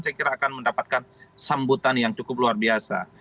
saya kira akan mendapatkan sambutan yang cukup luar biasa